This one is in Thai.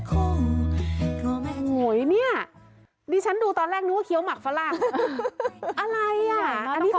ต้องขออภัยคุณผู้ชมทั้งหมดนะครับ